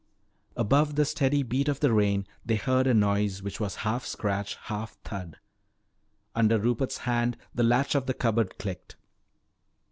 Above the steady beat of the rain they heard a noise which was half scratch, half thud. Under Rupert's hand the latch of the cupboard clicked.